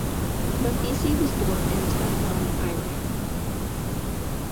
Nafisi was born in Tehran, Iran.